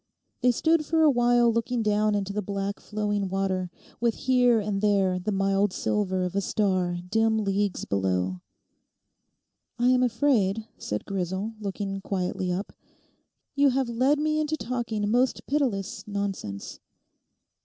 They stood for awhile looking down into the black flowing water, with here and there the mild silver of a star dim leagues below. 'I am afraid,' said Grisel, looking quietly up, 'you have led me into talking most pitiless nonsense.